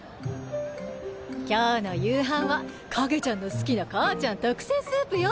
今日の夕飯はカゲちゃんの好きな母ちゃん特製スープよ。